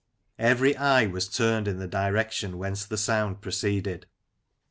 Every eye was turned in the direction whence the sound proceeded.